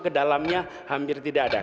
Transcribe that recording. ke dalamnya hampir tidak ada